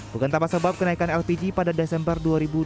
bukan tanpa sebab kenaikan lpg pada desember dua ribu dua puluh